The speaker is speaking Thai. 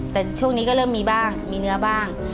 แต่ช่วงนี้ก็เริ่มมีบ้างมีเนื้อบ้าง